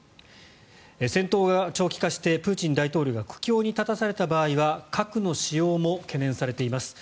戦闘が長期化してプーチン大統領が苦境に立たされた場合は核の使用も懸念されています。